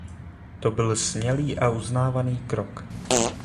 To byl smělý a uznávaný krok.